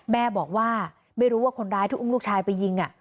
แม่บอกว่าไม่รู้ว่าคนร้ายที่อุ้มลูกชายไปยิง